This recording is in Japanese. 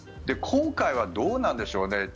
今回はどうなんでしょうね。